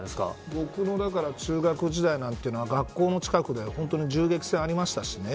僕の中学時代なんてのは学校の近くで本当に銃撃戦ありましたしね。